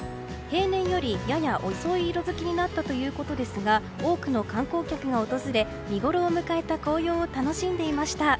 平年よりやや遅い色づきになったということですが多くの観光客が訪れ見ごろを迎えた紅葉を楽しんでいました。